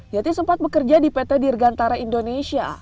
yati sempat bekerja di pt dirgantara indonesia